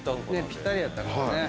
ぴったりやったからね。